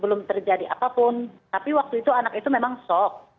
belum terjadi apapun tapi waktu itu anak itu memang sok